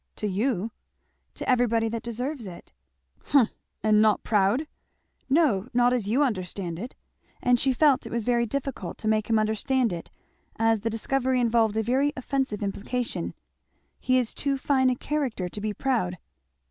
"To you!" "To everybody that deserves it." "Humph! And not proud?" "No, not as you understand it," and she felt it was very difficult to make him understand it, as the discovery involved a very offensive implication; "he is too fine a character to be proud."